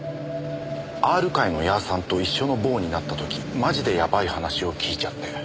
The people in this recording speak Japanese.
「Ｒ会のヤーさんと一緒の房になった時マジでヤバい話を聞いちゃって」